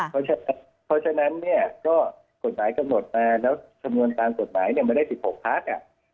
เพราะฉะนั้นเนี่ยก็กฎหมายกำหนดมาแล้วคำนวณตามกฎหมายมันได้๑๖พัก